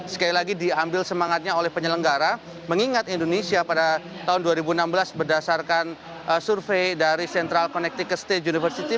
sekali lagi diambil semangatnya oleh penyelenggara mengingat indonesia pada tahun dua ribu enam belas berdasarkan survei dari central connectical state university